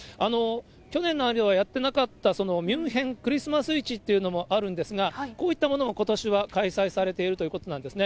去年まではやってなかった、ミュンヘンクリスマス市っていうのもあるんですが、こういったものもことしは開催されているということなんですね。